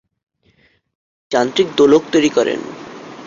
তিনি যান্ত্রিক দোলক তৈরি করেন।